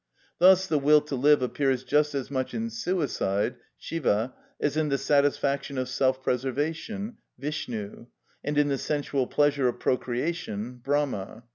Thus the will to live appears just as much in suicide (Siva) as in the satisfaction of self preservation (Vishnu) and in the sensual pleasure of procreation (Brahma).